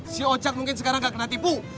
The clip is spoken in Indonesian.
si ojak mungkin sekarang gak kena tipu